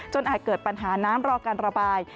อาจเกิดปัญหาน้ำรอการระบาย